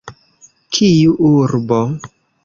Kiu urbo?